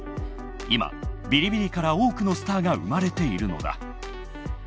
今ビリビリから多くのスターが生まれているのだ。